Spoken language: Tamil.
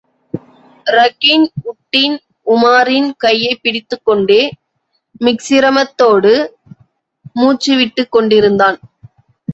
ரக்கின் உட்டின் உமாரின் கையைப் பிடித்துக் கொண்டே மிக்சிரமத்தோடு, மூச்சுவிட்டுக் கொண்டிருந்தான்.